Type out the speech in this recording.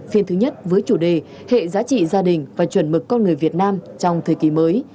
phiên thứ nhất với chủ đề hệ giá trị gia đình và chuẩn mực con người việt nam trong thời kỳ mới